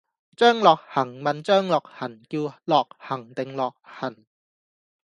張諾恒問張樂痕叫諾恒定樂痕？